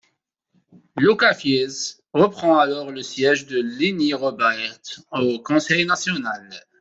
Lukas Fierz reprend alors le siège de Leni Robert au Conseil national.